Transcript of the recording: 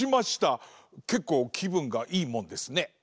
けっこうきぶんがいいもんですね。